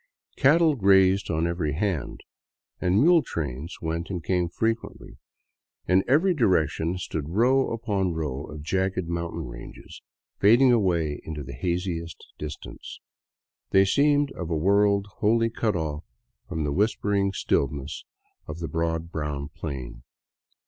Cattle grazed on every hand, and mule trains went and came frequently. In every direction stood row upon row of jagged mountain ranges, fading away into the haziest distance. They seemed of a world wholly cut off from the whisper ing stillness of the broad brown plain.